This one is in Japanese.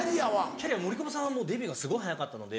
キャリアは森久保さんはデビューがすごい早かったので。